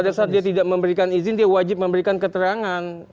pada saat dia tidak memberikan izin dia wajib memberikan keterangan